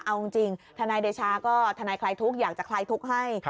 เอาจริงทนายเดชาก็ทนายคลายทุกข์อยากจะคลายทุกข์ให้